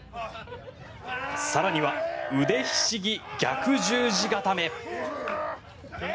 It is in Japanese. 更には、腕ひしぎ逆十字固め。